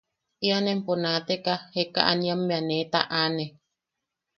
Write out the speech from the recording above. Ian empo naateka jekaaniammea ne taʼane.